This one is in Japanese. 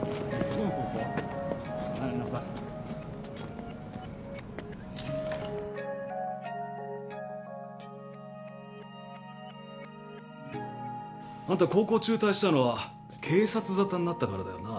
離れなさいあんた高校中退したのは警察沙汰になったからだよな。